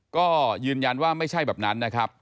ก็ยืนยันว่าไม่ใช่แบบนั้นนะครับ